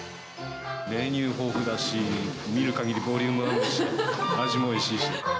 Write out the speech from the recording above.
メニュー豊富だし、見るかぎりボリュームあるし、味もおいしいし。